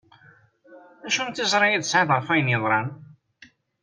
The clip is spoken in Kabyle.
Acu n tiẓri i tesεiḍ ɣef ayen yeḍran?